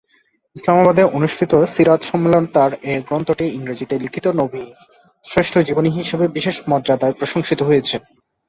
ইসলামাবাদে অনুষ্ঠিত সীরাত সম্মেলনে তার এ গ্রন্থটি ইংরেজিতে লিখিত নবীর শ্রেষ্ঠ জীবনী হিসাবে বিশেষ মর্যাদায় প্রশংসিত হয়েছে।।